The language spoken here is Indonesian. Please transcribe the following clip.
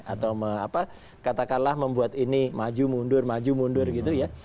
atau katakanlah membuat ini maju mundur maju mundur gitu ya